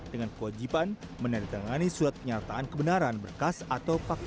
dengan kewajiban meneritangani surat penyertaan kebenaran berkas atau fakta